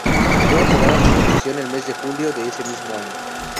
Fue aprobada su concesión el mes de julio de ese mismo año.